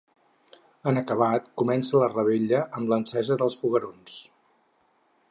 En acabat, comença la revetlla, amb l’encesa dels foguerons.